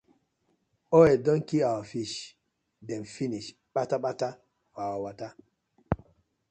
Oil don kii our fish dem finish kpatakpata for our wata.